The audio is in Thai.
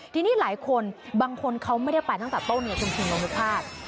ทีนี้หลายคนบางคนเขาไม่ได้ไปตั้งแต่เต้าเนื้อทุ่มลงทุกภาษา